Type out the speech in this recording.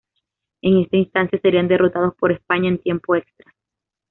En esta instancia serían derrotados por España en tiempo extra.